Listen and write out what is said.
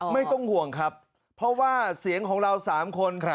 ไม่ต้องห่วงครับเพราะว่าเสียงของเรา๓คน